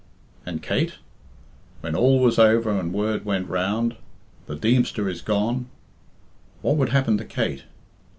And Kate? When all was over and word went round, "The Deemster is gone," what would happen to Kate?